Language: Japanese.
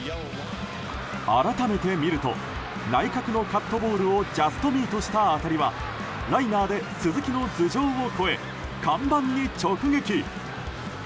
改めて見ると内角のカットボールをジャストミートした当たりはライナーで鈴木の頭上を越え看板に直撃。